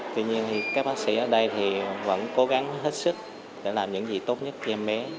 tuy nhiên thì các bác sĩ ở đây thì vẫn cố gắng hết sức để làm những gì tốt nhất cho em bé